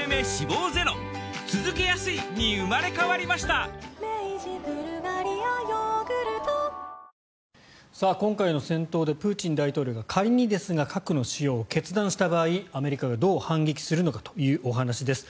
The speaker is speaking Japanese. ただ、現在のウクライナ情勢を受けまして今回の戦闘でプーチン大統領が仮にですが核の使用を決断した場合アメリカがどう反撃するのかというお話です。